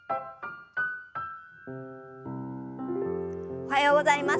おはようございます。